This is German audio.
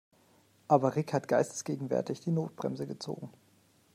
Aber Rick hat geistesgegenwärtig die Notbremse gezogen.